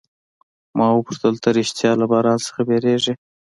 ما وپوښتل، ته ریښتیا له باران څخه بیریږې؟